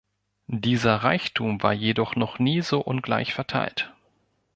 Dieser Reichtum war jedoch noch nie so ungleich verteilt.